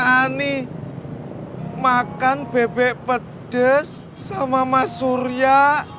ini makan bebek pedes sama mas surya